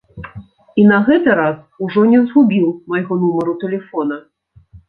І на гэты раз ужо не згубіў майго нумару тэлефона.